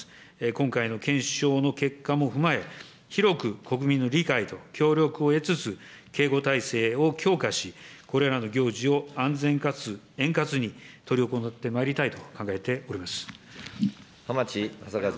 今回の検証の結果も踏まえ、広く国民の理解と協力を得つつ、警護体制を強化し、これらの行事を安全かつ円滑に執り行ってまいりたいと考えており浜地雅一君。